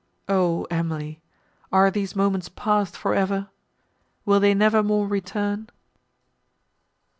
O Emily! are these moments passed for ever—will they never more return?"